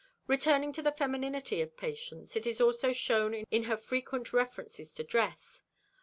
Returning to the femininity of Patience, it is also shown in her frequent references to dress.